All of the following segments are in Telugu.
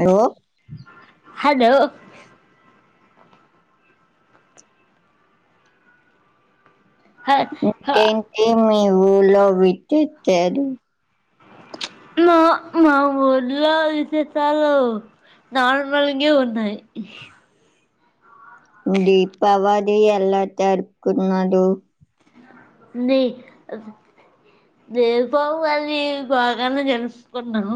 హలో. హలో. హ హ ఇంకేంటి మీ ఊళో విట్టచ్చారు. నో మా ఊర్లో విశేషాలు. నార్మల్ గానే ఉన్నాయి. దీపావళి ఎలా జరుపుకున్నారు. న. నేరు బవు కానీ బాగానే జలుసుకున్నాను.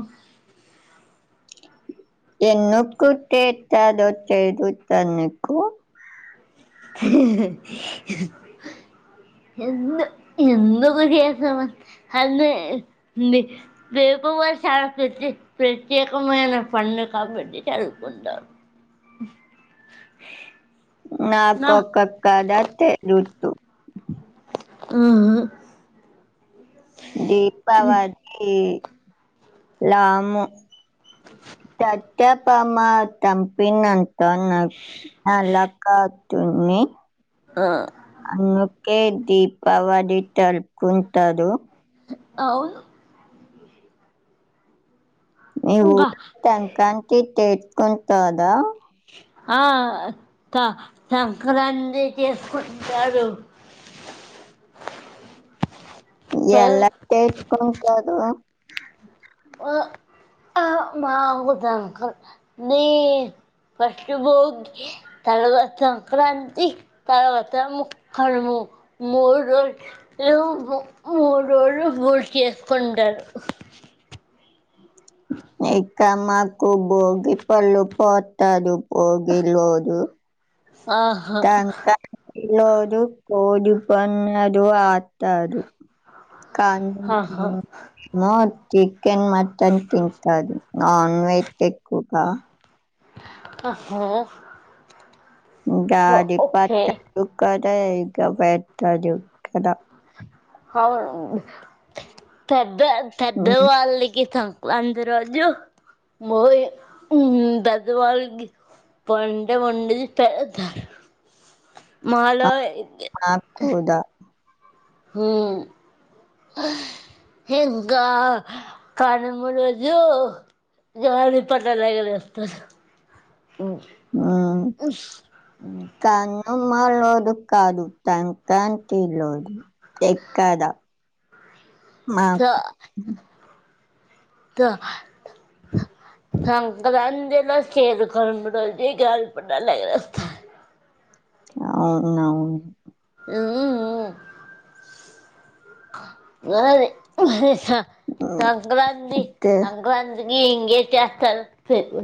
ఎకు తెతదో తెదు తన్నకు. ఎందు ఎందుకు చేసావ్. అ వేగవ చాల ప్రతే ప్రత్యేకమైన పం. కాబడి చాలకు ఉంట. నాకు అక్కక్కద అ తె రఋతు. ఉమ్. దీపావ ళి లాము తచ్చప్ప అమ్మ తంపినఅన్ తోన్న అలక్కతుని ఆ అన్నుకే దీపావళి తలుపుకుంటాడు అవును మీ ఇంకా ఊరు టకాంతి తేసుకుంటదా ఆ సంక్రాంతి చేసుకుంటారు ఎలా చే స్కుంటారు ఆ ఆ మాగుదంక నీ ఫస్ట్ బోగ్ తర్వా సంక్రాంతి తర్వాత ముక్కనుము మూడు రోజు లు మూడ్రోలు మూడు చేసుకుంటారు ఇక్క మాకు బోగి పళ్ళు పోత్తడు వోగి లోజు ఆహా ఇలోజు కోడి పందాడు ఆతాడు కా ఆహా మో చికెన్ మటన్ తింటాడు నాన్ వెజ్ ఎకుకా ఆహా ఉగాడి ఓకే పచ్చ డుక టే ఇగ పెట్టడు కద అవును పెద్ద పెద్ద ఉమ్, వాళ్ళకిత లందిరాజు మ్ దదవాల్ పండు వండిది పెడతారు మాలో మాకు కూడా హ్మ్ ఇంకా కనమూ రోజూ గాలి పటాలు ఎగరేస్తరు మ్ మ్ అమ్మా లోడు కాదు సంక్రాంతి లోజు ఎక్కద ఆ మా త సంక్రంతి లో చేరు కనుమ రోజే గాలి పటాలు ఎగేరేస్తారు. అవునా మ్మ్మ్ మరి మ హె స సంక్రాంతి తే సంక్రంతి మీరు ఇంగే చెతరు సెప్పు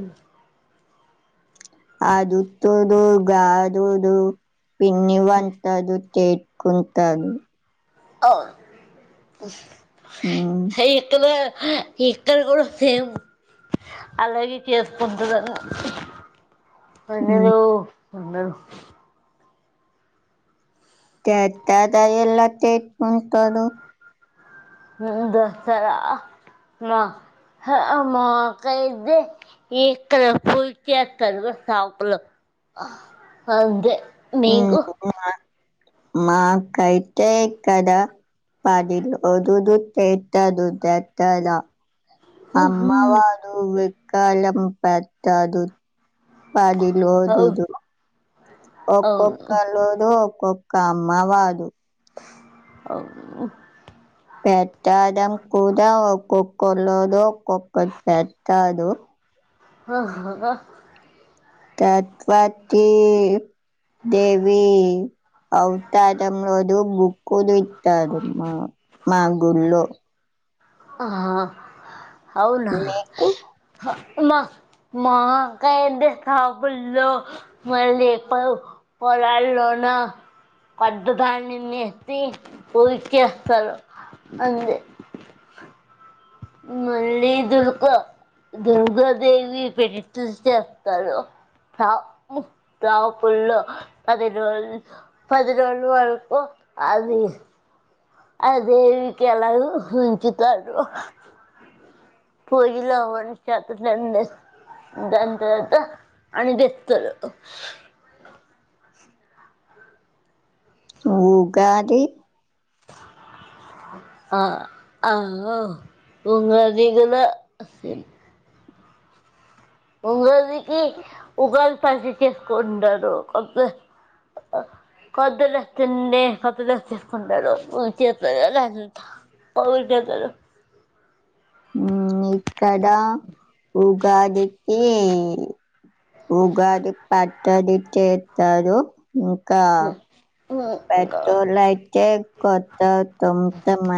అదు తుడుగాదుడు పిండి వంటలు చే కుంటాలు అ హ్మ్. హ ఇక్కల ఇక్కడ కూడా సేమ్ అలాగే చేసుకుంటుంన్నారు హ్మ్. అన్నలో అన్నలు తెతద ఇలా తెట్ ఉంటడు దసరా మ మాకు అయిదే ఇక్కడ పూచేస్తారు షాపులో అంతే మీకు మ్ మాకైతే ఇక్కడ పడిలో దదు తత ద తత్తద [unintelligible] అమ్మవారు విక్కాలం పట్టదు బడిలు అవును ఓదుదు ఒక్క అవును ఒక్కళఓదు ఒక్క అమ్మ వారు అ [inaudible] పెట్టడం కూడా ఒక్కొక్క రోజు ఒక్కొక్కటి పెట్టాడు [inaudible] తత్వటి దేవి అవతా తు భూకు తడు మా మా గుళ్ళో ఆ అవునా మీకు మా మా కైతే షాపుల్లో మళ్ళీ పొలాల్లో నా పడ్డదాన్ని నేసి ఊరికిస్తారు అంది మళ్ళీ దుర్కు దుర్గాదేవి పెట్టి చేస్తారు తపుల్లో పది రోజులు పది రోజుల వరకు అది అ దేవికి ఎలాగు ఉంచుతారు పోయిలాడి చేతున్న దాని తర్వాత అని చేస్తారు ఉగాది ఆ ఆ ఉగాది కూడా ఉగాదికి ఉగాది పసి చేసుకుంటారు ఒక [inaudible] కదులుచ్చండే కథలుచ్చ కొంట చెంత అవినగర ఉమ్, ఇక్కడ ఉగాదికి ఉగాది పచ్చడి చేస్తారు ఇంకా పెట్రోలయితే కొత్త తొంత మ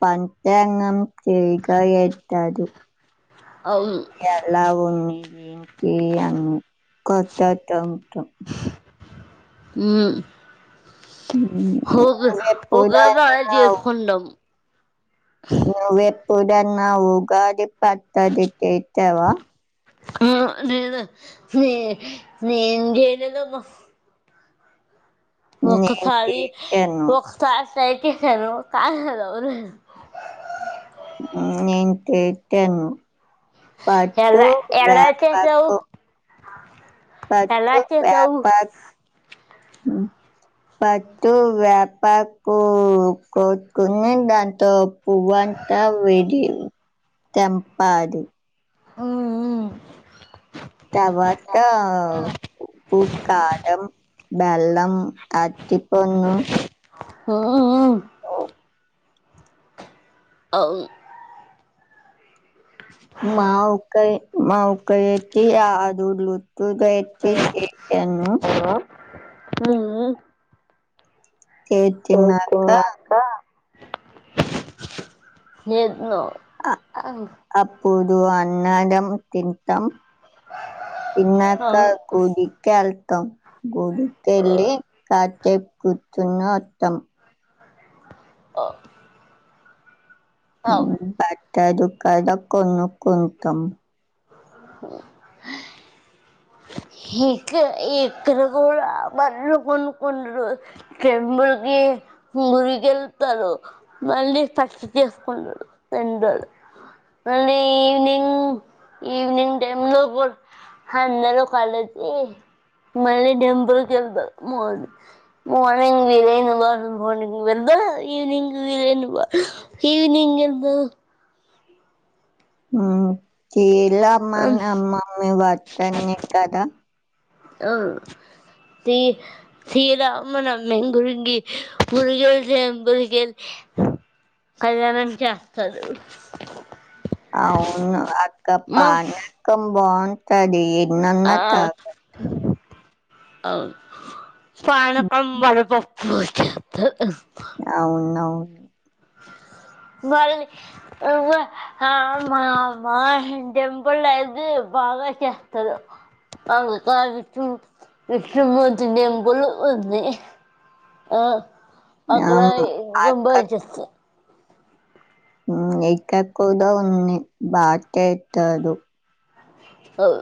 ప రంగం చేయగా ఏతదు ఎలా ఉంది ఏంటి అని కొత్త త ఉంటాం ము గ అజ నువ్వెప్పుడన్నా ఫడాం [unintelligible] నువ్వెప్పుడన్నా ఉగాది పతదిట్ట ఇతవా ఆ అదేద న నకమ్మ నేను ఒక్కసారి చేసాను ఒక్కసారి తక క కద [unintelligible] నేను తింటాను పట్ ఎలా వ ఎలా చేసావు పట్ ఎలా చేసావు వ్యాప [unintelligible] పట్టు వేపకు కోట్కుని దాంతో పువ్వా విడి తెంపాది [unintelligible] [inaudible] తర్వాత ఉప్పు కారం బెల్లం అటి పన్ను ఆ అవును మావకా మావకాతే ఆ దడ్లు టూ ద ఎటిను ఉమా ఉమా చేసినాక సచనాక్క ఎనో అప్పుడు అన్నదం తింటం పన్నక కుదకాలతం గుడికెళ్ళలి కాచ కూర్తుున్న అత్తం ఆ బట్టట్ట దకాదా కొను కొతం [inaudible] [inaudible] ఇకా ఎక్కర కూడా బళ్ కొనుకుండరు మకి మురికి వెళ్తారు మళ్ళీ పచ్చ చేసుకుంటారు తండడు మవినింగ్ ఇవినింగ్ టై లో అంద కాలది మళ్ళీ డెంబల్కి వెళ్దా మోన్ మోన విర మ వెళ్దా ఈవనింగ్ ఈవనింగ్ ఎందు చల అమ్మ అమ్మమ్ మీ వతన్న కదా అవు తీ తీలా అమ్మన మ గురింగి పురిగలు జబరిక కళ్యానం చేస్తు అవును అక్క పానకం బాగావుంతది నాన్న కా అవును పనక్క వడ పొప్పుచ్చ అవును అవును [inaudible] మళ్ళీ టెంపుల్ లేదు బాగాకతుారు [unintelligible] టెంపుల్ ఉంది ఆ అక్కడ ఆమ గంబ వచ్చస్తా ఎకా కూడా ఉంది బాటతాడు అవు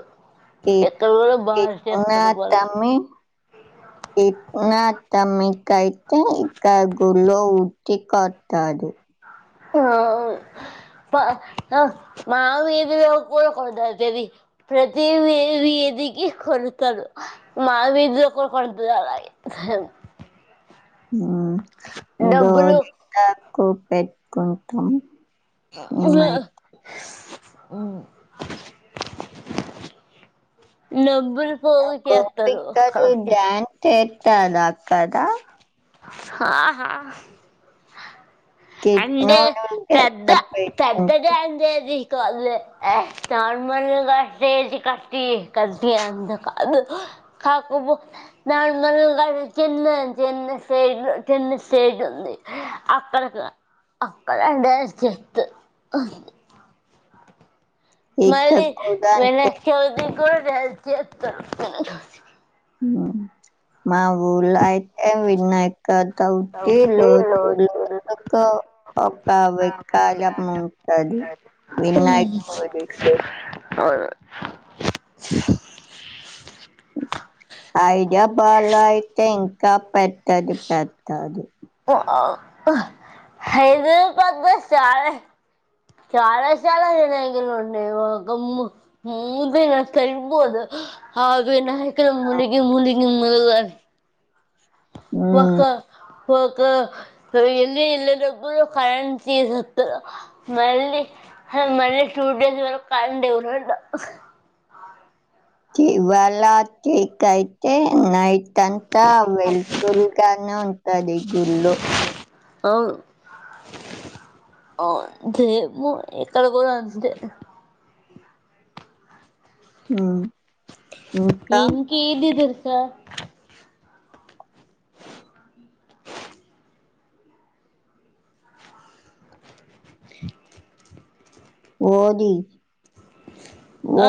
ఎట్నా వాళ్ళు తమ ఎట్నా తమికైతే ఇక గుడిలో ఉట్టి కొట్టాడు ఆ మా వీధి [unintelligible] ఇదికి కొడుతాడు మా వీధి లో ఒకడు హు గోరింటాకు పెట్టుకుంటాం. [inaudible] ఊ మేమైతే [unintelligible] గోపికలు డ్యాన్స్ ఎత్తరా అక్కడా హా హా అంటే కిట్నోడు పెద్ద గెటప్ వేసుకుం పెద్దగా అంటేది అల్ నార్మల్గా [unintelligible] కాకుపు నాలు చిన్న చిన్న సైడ్ చిన్న సైడ్ అక్కడ అక్కడ మళ ఇక్కడ కూడా అంతే. [unintelligible] మా మా ఊర్లో అయితే ఏ వినాయక చవితి రోడ్ రోడ్ కు ఒక విగ్ర [unintelligible] హు అవు హైదరాబాద్ లో అయితే ఇంకా పెద్దా పెద్దది పెడతారు హా హైదారాబాద్ లో చానా చాలా చాలా [unintelligible] అవి వినాయకుడు మునీగి మునీగి ము ఒక హ్మ్. ఒక [unintelligible] మళ్ళ షూట్ చేసేవరకు కాలిని ఇవాళ టీక్ అయితే నైట్ అంతా వెల్పల్ గాను ఉంటది ఇల్లు అవు అ ఎక్కడ కూడా అంతే ఆ ఇంకా ఏది తెర్సా [inaudible] [inaudible] ఓది ఆ